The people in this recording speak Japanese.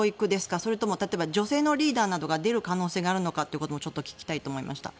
それとも例えば女性のリーダーが出る可能性もあるのかをちょっと聞きたいと思いました。